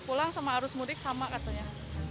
pulang sama arus mudik sama katanya